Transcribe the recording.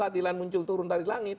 keadilan muncul turun dari langit